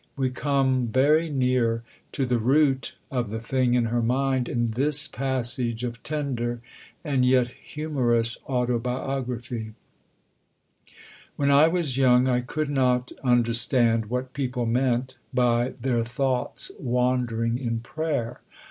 We come very near to the root of the thing in her mind in this passage of tender and yet humorous autobiography: When I was young, I could not understand what people meant by "their thoughts wandering in prayer."